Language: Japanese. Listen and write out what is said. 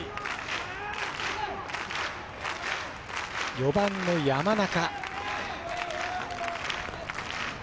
４番の山中。